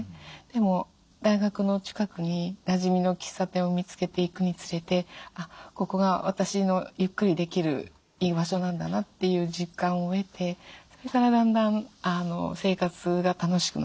でも大学の近くになじみの喫茶店を見つけていくにつれて「あっここが私のゆっくりできる居場所なんだな」っていう実感を得てそれからだんだん生活が楽しくなっていきましたね。